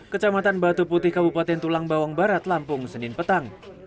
kecamatan batu putih kabupaten tulang bawang barat lampung senin petang